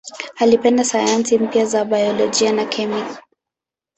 Alipenda sana sayansi mpya za biolojia na kemia.